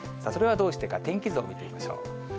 それはどうしてか、天気図を見てみましょう。